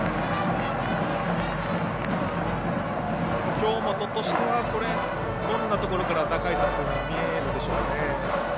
京本としてはどんなところから打開策というのは見えるでしょうかね。